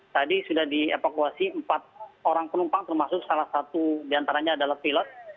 tadi sudah dievakuasi empat orang penumpang termasuk salah satu diantaranya adalah pilot